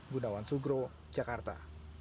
gunawan sugro jakarta